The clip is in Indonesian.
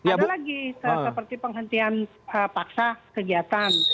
ada lagi seperti penghentian paksa kegiatan